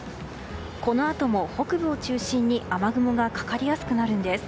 このあとも北部を中心に雨雲がかかりやすくなるんです。